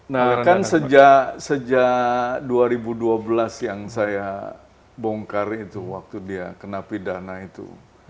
nah kan sejak dua ribu dua belas yang saya bongkar itu waktu dia kena pidana itu